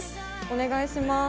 お願いします。